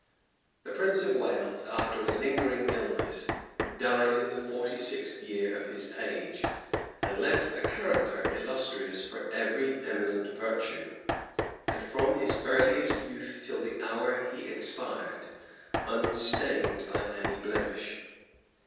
{1376.} The prince of Wales, after a lingering illness, died in the forty sixth year of his age; and left a character illustrious for every eminent virtue, and, from his earliest youth till the hour he expired, unstained by any blemish.